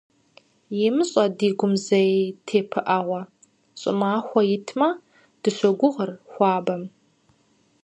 ИмыщӀэ ди гум зэи тепыӀэгъуэ, ЩӀымахуэ итмэ, дыщӀохъуэпсыр хуабэм.